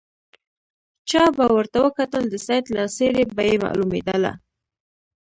چا به ورته وکتل د سید له څېرې به یې معلومېدله.